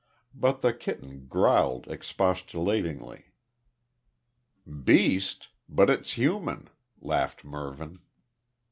But the kitten growled expostulatingly. "`Beast'? But it's human," laughed Mervyn.